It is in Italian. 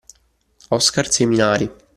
Oscar Seminari.